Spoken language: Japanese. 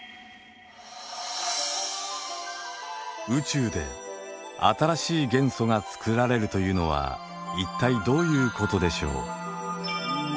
宇宙で新しい元素が作られるというのは一体どういうことでしょう。